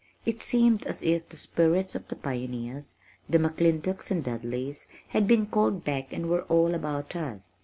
It seemed as if the spirits of the pioneers, the McClintocks and Dudleys had been called back and were all about us.